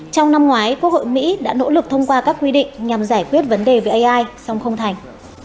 trong năm ngoái quốc hội mỹ đã nỗ lực thông qua các quy định nhằm giải quyết vấn đề về ai song không thành